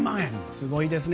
すごいですね。